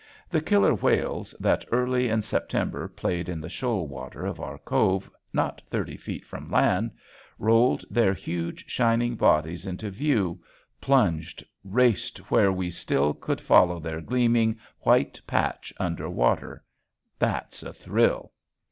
The killer whales that early in September played in the shoal water of our cove not thirty feet from land, rolled their huge, shining bodies into view, plunged, raced where we still could follow their gleaming, white patch under water, there's a thrill!